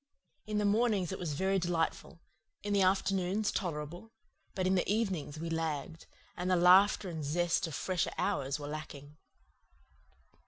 In the mornings it was very delightful; in the afternoons tolerable; but in the evenings we lagged, and the laughter and zest of fresher hours were lacking.